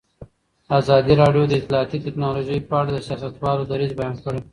ازادي راډیو د اطلاعاتی تکنالوژي په اړه د سیاستوالو دریځ بیان کړی.